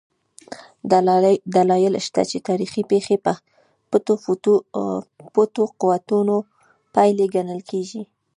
دلایل شته چې تاریخي پېښې پټو قوتونو پایلې ګڼل کېږي.